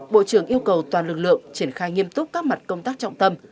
bộ trưởng yêu cầu toàn lực lượng triển khai nghiêm túc các mặt công tác trọng tâm